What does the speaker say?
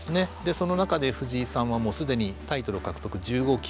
その中で藤井さんはすでにタイトル獲得１５期。